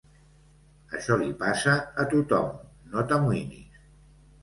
Això li passa a tothom, no t'amoïnis.